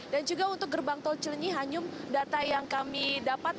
dan juga untuk gerbang tol cilenyi hanum data yang kami dapat